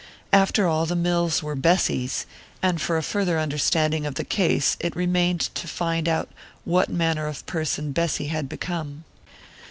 After all, the mills were Bessy's and for a farther understanding of the case it remained to find out what manner of person Bessy had become.